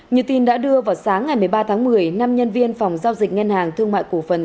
như tin đã đưa vào sáng ngày một mươi ba tháng một mươi năm nhân viên phòng giao dịch ngân hàng thương mại cổ phần